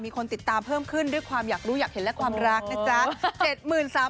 มีคนติดตามเพิ่มขึ้นด้วยความอยากรู้อยากเห็นและความรักนะจ๊ะ